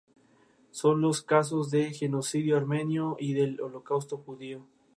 Este recurso debe estar limitado a cuestiones jurídicas, no de hecho.